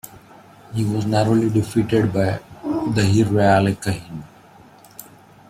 He was narrowly defeated by Dahir Riyale Kahin.